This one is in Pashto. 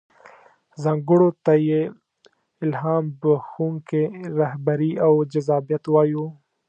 ځانګړنو ته يې الهام بښونکې رهبري او جذابيت وايو.